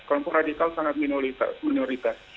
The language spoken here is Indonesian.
kelompok radikal sangat minoritas